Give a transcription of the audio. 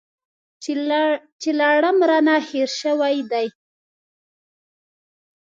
چې لړم رانه هېر شوی دی .